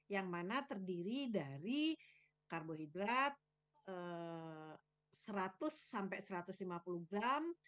yang mana terdiri dari karbohidrat seratus sampai satu ratus lima puluh gram